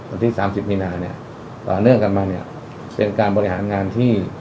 วันที่สามสิบมีนาเนี่ยต่อเนื่องกันมาเนี่ยเป็นการบริหารงานที่